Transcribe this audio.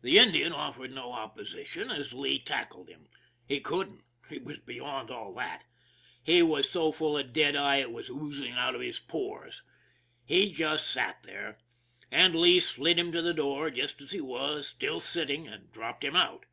The Indian offered no opposition as Lee tackled him. He couldn't he was beyond all that he was so full of dead eye it was oozing out by the pores. He just sat there, and Lee slid him to the door just as he was, still sitting, and dropped him out.